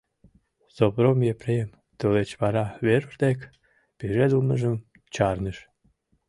Сопром Епрем тылеч вара Веруш дек пижедылмыжым чарныш.